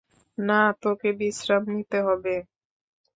না, তোকে বিশ্রাম নিতে হবে।